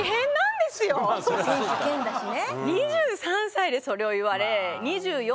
選手兼だしね。